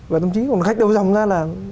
và thậm chí còn khách đầu dòng ra là